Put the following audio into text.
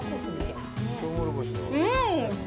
うん！